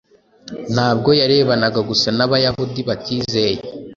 ntabwo yarebanaga gusa n’Abayahudi batizeye,